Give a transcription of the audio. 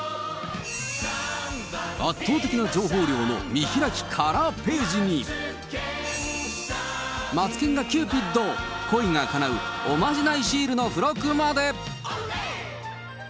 圧倒的な情報量の見開きカラーページに、マツケンがキューピッド、恋がかなうおまじないシールの付録まで。